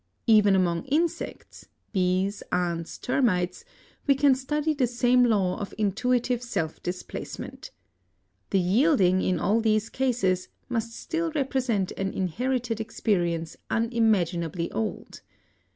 Even among insects bees, ants, termites we can study the same law of intuitive self displacement. The yielding, in all these cases, must still represent an inherited experience unimaginably old.